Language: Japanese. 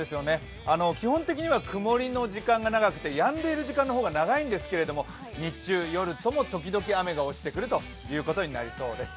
基本的には曇りの時間が長くてやんでいる時間の方が長いんですけれども、日中、夜とも時々雨が落ちてくるということになりそうです。